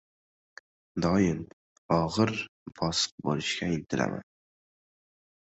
Doim og‘ir-bosiq bo‘lishga intilaman.